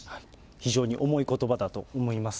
非常に重いことばだと思います。